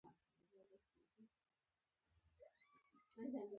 د احساس او اعتراض په وخت یې وایو.